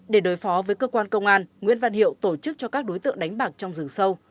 để đối phó với cơ quan công an nguyễn văn hiệu tổ chức cho các đối tượng đánh bạc trong rừng sâu